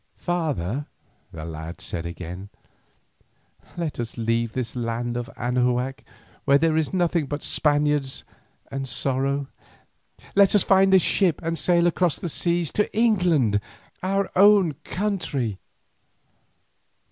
"Father," the lad said again, "let us leave this land of Anahuac where there is nothing but Spaniards and sorrow. Let us find a ship and sail across the seas to England, our own country."